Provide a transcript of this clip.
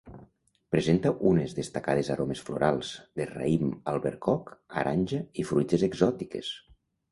Presenta unes destacades aromes florals, de raïm albercoc, aranja i fruites exòtiques.